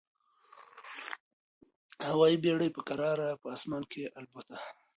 هوايي بېړۍ په کراره په اسمان کي البوته.